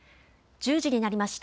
１０時になりました。